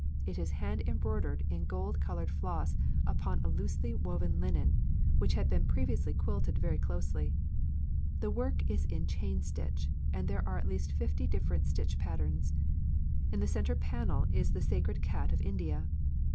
It is hand embroidered in golden coloured floss upon a loosely woven linen which had been previously quilted very closely. The work is in chain stitch, and there are at least fifty different stitch patterns. In the centre panel is the sacred cat of India.